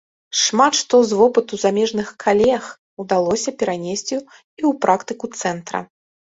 Шмат што з вопыту замежных калег удалося перанесці і ў практыку цэнтра.